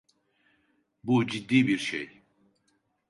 Bu ciddi bir şey.